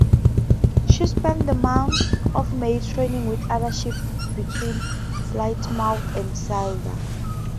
She spent the month of May training with other ships between Plymouth and Clyde.